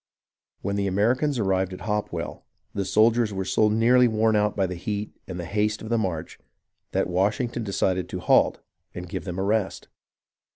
When the Americans arrived at Hopewell, the soldiers were so nearly worn out by the heat and the haste of the march that Washington decided to halt and give them a rest.